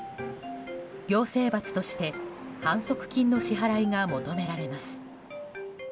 行政罰として反則金の支払いが求められます。